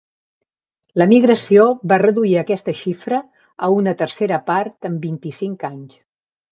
L'emigració va reduir aquesta xifra a una tercera part en vint-i-cinc anys.